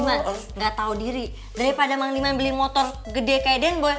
mang diman ga tau diri daripada mang diman beli motor gede kayak den boy